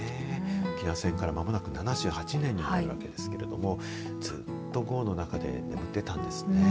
沖縄戦から間もなく７８年になるわけですけどずっとごうの中で眠っていたんですね。